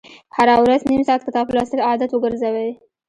هره ورځ نیم ساعت کتاب لوستل عادت وګرځوئ.